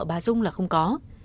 bà dung là không có